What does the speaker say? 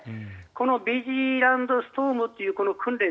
このビジラントストームという訓練